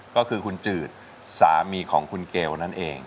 ก็คือคุณจืดสามีของคุณเกลนั่นเอง